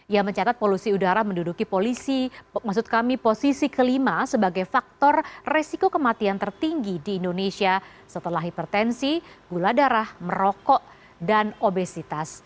ia mencatat polusi udara menduduki polisi maksud kami posisi kelima sebagai faktor resiko kematian tertinggi di indonesia setelah hipertensi gula darah merokok dan obesitas